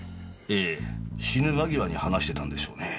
ええ死ぬ間際に話してたんでしょうね。